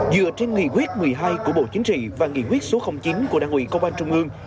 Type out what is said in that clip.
dựa trên nghị quyết một mươi hai của bộ chính trị và nghị quyết số chín của đảng ủy công an trung ương